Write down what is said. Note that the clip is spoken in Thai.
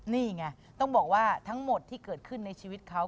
นี่ไงต้องบอกว่าทั้งหมดที่เกิดขึ้นในชีวิตเขา